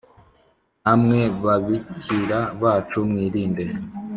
namwe babikira bacu mwirinde